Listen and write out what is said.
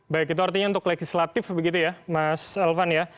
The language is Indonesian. baik itu artinya untuk legislatif begitu ya mas elvan ya